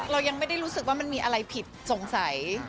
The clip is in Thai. เรายังไม่ได้รู้สึกว่ามันมีอะไรผิดสงสัย